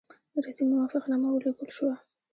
رسمي موافقتنامه ولیکل شوه.